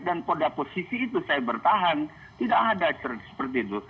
dan pada posisi itu saya bertahan tidak ada seperti itu